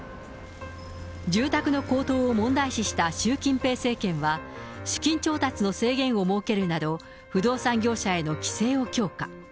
住宅の高騰を問題視した習近平政権は、資金調達の制限を設けるなど、不動産業者への規制を強化。